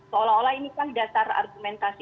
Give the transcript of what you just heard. seolah olah ini kan dasar argumentasi